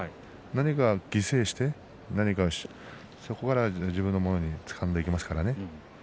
何か犠牲にしてそこから自分のものをつかんでいきますからね。